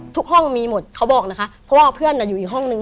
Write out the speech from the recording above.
ห้องมีหมดเขาบอกนะคะเพราะว่าเพื่อนอยู่อีกห้องนึง